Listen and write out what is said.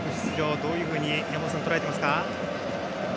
どういうふうに山本さん、とらえていますか。